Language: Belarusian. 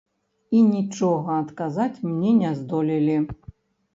І нічога адказаць мне не здолелі.